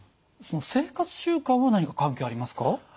その生活習慣は何か関係ありますか？